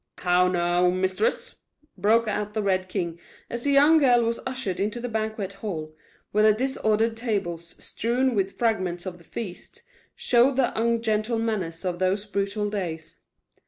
"How now, mistress!" broke out the Red King, as the young girl was ushered into the banquet hall, where the disordered tables, strewn with fragments of the feast, showed the ungentle manners of those brutal days.